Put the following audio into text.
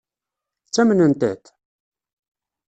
Ttamnent-t?